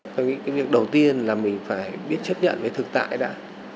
tôi nghĩ cái việc đầu tiên là mình phải biết chấp nhận với thực tại đã